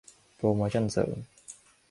โปรโมชันเสริม